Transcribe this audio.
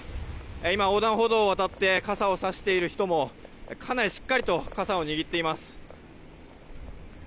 今、横断歩道を渡って傘をさしている人もかなりしっかりと傘を握っています。